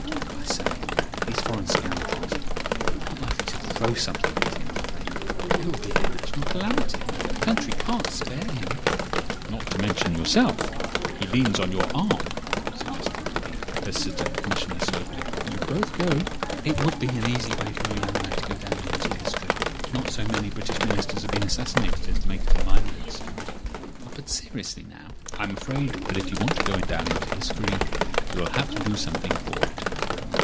I say, these foreign scoundrels aren't likely to throw something at him—are they? It would be a national calamity. The country can't spare him." "Not to mention yourself. He leans on your arm," suggested the Assistant Commissioner soberly. "You would both go." "It would be an easy way for a young man to go down into history? Not so many British Ministers have been assassinated as to make it a minor incident. But seriously now—" "I am afraid that if you want to go down into history you'll have to do something for it.